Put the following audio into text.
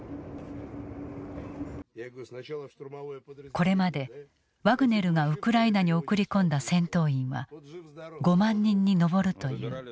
これまでワグネルがウクライナに送り込んだ戦闘員は５万人に上るという。